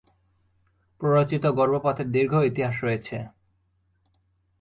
প্ররোচিত গর্ভপাতের দীর্ঘ ইতিহাস রয়েছে।